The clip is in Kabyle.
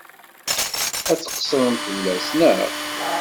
Ad tqeṣṣrem fell-as, naɣ?